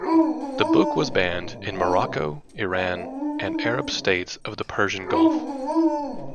The book was banned in Morocco, Iran, and Arab states of the Persian Gulf.